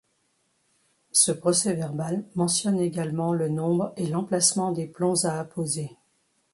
Ce procès-verbal mentionne également le nombre et l’emplacement des plombs à apposer.